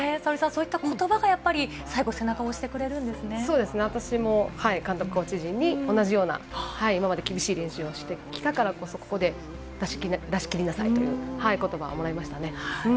言葉がやっぱり背中を押して私も監督、コーチ陣に同じような今まで厳しい練習をしてきたからこそ、ここで出し切りなさいという言葉をもらいました。